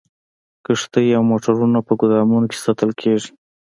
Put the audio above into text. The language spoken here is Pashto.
کښتۍ او موټرونه په ګودامونو کې ساتل کیږي